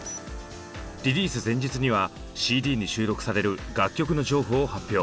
リリース前日にはＣＤに収録される楽曲の情報を発表。